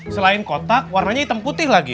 selain kotak warnanya hitam putih lagi